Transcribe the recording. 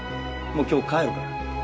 もう今日帰るから。